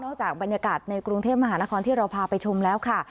จากบรรยากาศในกรุงเทพมหานครที่เราพาไปชมแล้วค่ะ